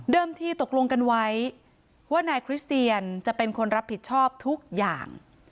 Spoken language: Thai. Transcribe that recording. ที่ตกลงกันไว้ว่านายคริสเตียนจะเป็นคนรับผิดชอบทุกอย่าง